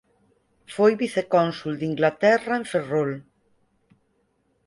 Foi vicecónsul de Inglaterra en Ferrol.